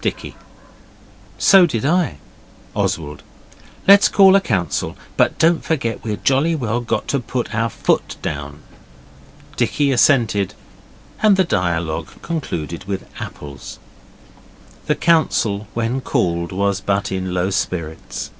Dicky 'So did I.' Oswald 'Let's call a council. But don't forget we've jolly well got to put our foot down.' Dicky assented, and the dialogue concluded with apples. The council, when called, was in but low spirits.